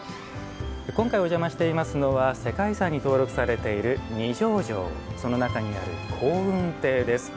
今回お邪魔していますのは世界遺産に登録されている二条城その中にある香雲亭です。